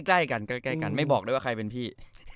กล้ายกันไม่บอกให้ว่าใครเป็นพี่